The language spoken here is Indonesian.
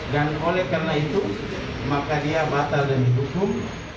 dan oleh karena itu maka dia batal demi hukum